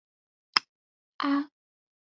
阿讷西站位于阿讷西市区内。